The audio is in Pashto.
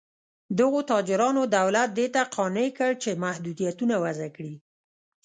دغو تاجرانو دولت دې ته قانع کړ چې محدودیتونه وضع کړي.